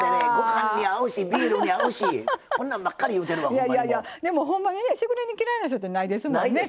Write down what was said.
いやいやいやでもほんまにねしぐれ煮嫌いな人ってないですもんね。